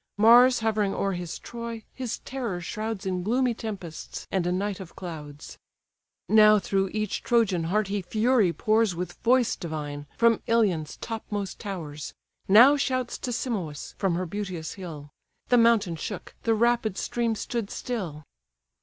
Mars hovering o'er his Troy, his terror shrouds In gloomy tempests, and a night of clouds: Now through each Trojan heart he fury pours With voice divine, from Ilion's topmost towers: Now shouts to Simois, from her beauteous hill; The mountain shook, the rapid stream stood still.